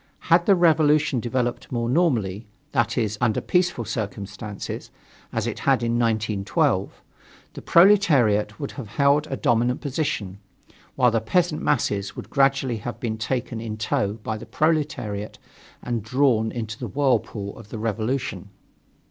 Had the revolution developed more normally that is, under peaceful circumstances, as it had in 1912 the proletariat would always have held a dominant position, while the peasant masses would gradually have been taken in tow by the proletariat and drawn into the whirlpool of the revolution.